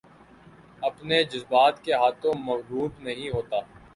اپنے جذبات کے ہاتھوں مغلوب نہیں ہوتا